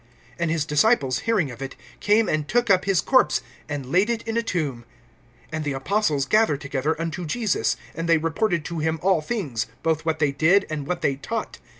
(29)And his disciples hearing of it came and took up his corpse, and laid it in a tomb. (30)And the apostles gather together unto Jesus; and they reported to him all things, both what they did, and what they taught.